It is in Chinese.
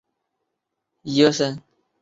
一般会用来作法国菜的头盘菜。